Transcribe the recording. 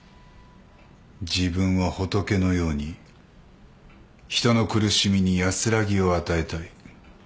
自分は仏のように人の苦しみに安らぎを与えたい。